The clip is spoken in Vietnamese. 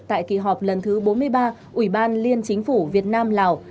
tại kỳ họp lần thứ bốn mươi ba ủy ban liên chính phủ việt nam lào